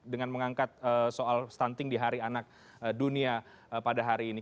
dengan mengangkat soal stunting di hari anak dunia pada hari ini